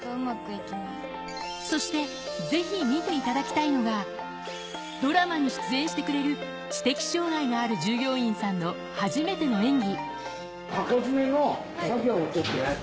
そしてぜひ見ていただきたいのが、ドラマに出演してくれる知的障がいがある従業員さんの初めての演技。